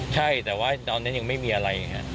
ใช่แต่ว่านั้นยังไม่มีอะไร